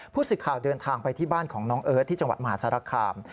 ผู้สื่อข่าวเดินทางไปที่บ้านของน้องเอิร์ทที่จังหวัดมหาสารคาม